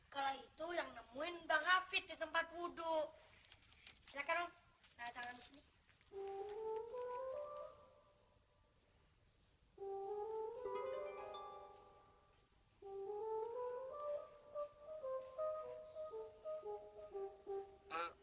kalau itu yang nemuin bang afid di tempat wudhu silakan